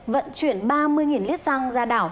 vận chuyển ba mươi lít xăng ra đảo